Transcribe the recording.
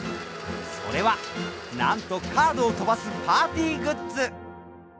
それはなんとカードを飛ばすパーティーグッズ。